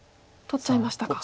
取っちゃいましたか。